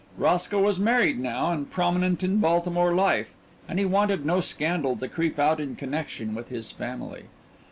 Roscoe was married now and prominent in Baltimore life, and he wanted no scandal to creep out in connection with his family.